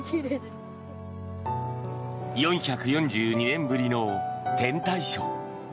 ４４２年ぶりの天体ショー。